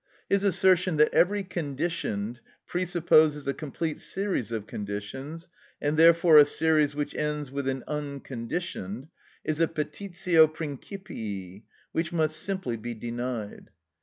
His assertion that every conditioned presupposes a complete series of conditions, and therefore a series which ends with an unconditioned, is a petitio principii, which must simply be denied.